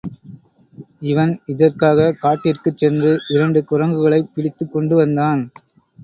இவன், இதற்காகக் காட்டிற்குச் சென்று இரண்டு குரங்குகளைப் பிடித்துக் கொண்டுவந்தான்.